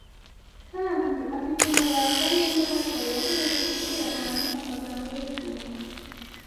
kandi afite umurava n’imbaraga, yakomeje kubwira abantu amagambo y’ubugingo